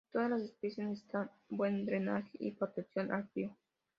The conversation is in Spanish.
Y todas las especies necesitan buen drenaje y protección al frío.